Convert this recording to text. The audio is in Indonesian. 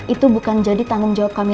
ibu sudah menanggapi keadaan putri